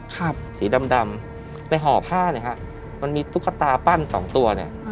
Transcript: สีดำดำไปห่อผ้าเนี่ยฮะมันมีตุ๊กตาปั้นสองตัวเนี่ย